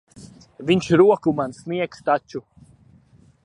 Viņš roku man sniegs taču.